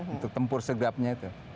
untuk tempur sergapnya itu